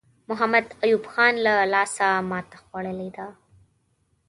محمد ایوب خان له لاسه ماته خوړلې ده.